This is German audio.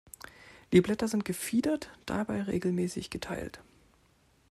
Die Blätter sind gefiedert, dabei regelmäßig geteilt.